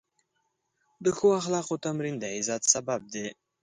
د ښو اخلاقو تمرین د عزت سبب دی.